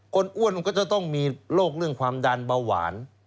อ้วนมันก็จะต้องมีโรคเรื่องความดันเบาหวาน